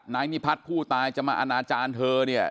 นิพัฒน์ผู้ตายจะมาอนาจารย์เธอเนี่ย